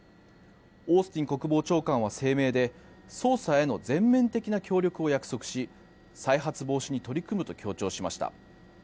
オースティン国防長官は声明で捜査への全面的な協力を約束し再発防止に取り組むと強調しました。